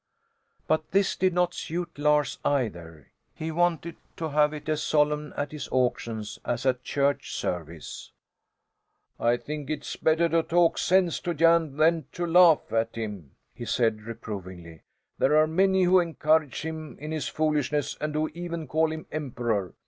But this did not suit Lars, either. He wanted to have it as solemn at his auctions as at a church service. "I think it's better to talk sense to Jan than to laugh at him," he said, reprovingly. "There are many who encourage him in his foolishness and who even call him Emperor.